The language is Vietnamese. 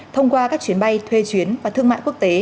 thông qua các chuyến bay thuê chuyến và thương mại quốc tế